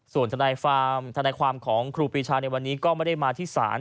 ส่วนทนายความทนายความของครูปีชาในวันนี้ก็ไม่ได้มาที่ศาล